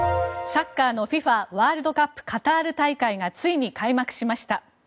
サッカーのＦＩＦＡワールドカップカタール大会がついに開幕しました。